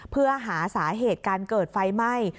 เพื่อหาสาเหตุการเกิดไฟไหม้